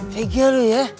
tegel lo ya